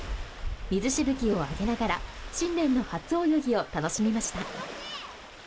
水しぶきを上げながら新年の初泳ぎを楽しみました。